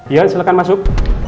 ion silahkan masuk